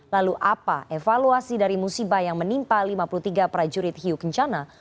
lalu apa evaluasi dari musibah yang menimpa lima puluh tiga prajurit hiu kencana